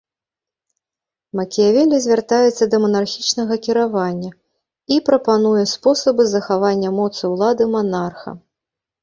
Макіявелі звяртаецца да манархічнага кіравання і прапануе спосабы захавання моцы ўлады манарха.